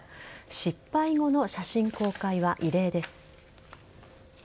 失敗後の写真公開は異例です。